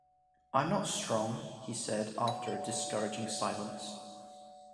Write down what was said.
"I'm not strong," he said after a discouraging silence.